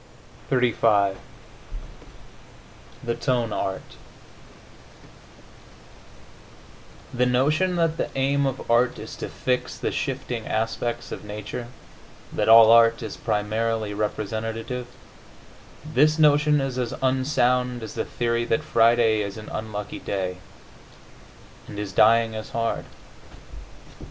XXXV THE TONE ART The notion that the aim of art is to fix the shifting aspects of nature, that all art is primarily representative this notion is as unsound as the theory that Friday is an unlucky day, and is dying as hard.